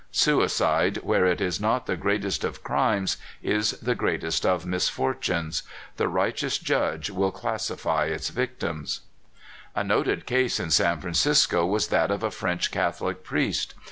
Sui cide, where it is not the greatest of crimes, is the greatest of misfortunes. The righteous Judge will classify its victims. SUICIDE IN CALIFORNIA. 229 A noted case in San Francisco was that of a French CathoHc priest.